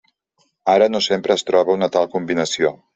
Ara, no sempre es troba una tal combinació.